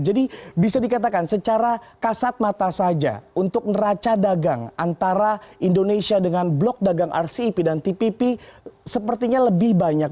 jadi bisa dikatakan secara kasat mata saja untuk neraca dagang antara indonesia dengan blok dagang rcep dan tpp sepertinya lebih banyak